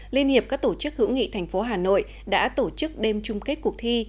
liên hiệp các tổ chức hữu nghị thành phố hà nội đã tổ chức đêm chung kết cuộc thi